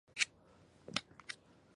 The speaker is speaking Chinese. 福坦莫法学院授予法律博士学位。